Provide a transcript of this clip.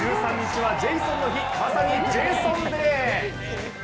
１３日はジェイソンの日、まさにジェイソンデー。